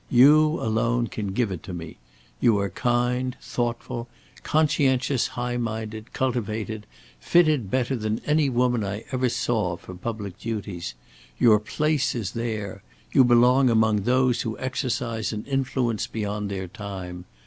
You alone can give it to me. You are kind, thoughtful, conscientious, high minded, cultivated, fitted better than any woman I ever saw, for public duties. Your place is there. You belong among those who exercise an influence beyond their time.